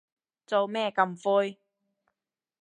做咩咁灰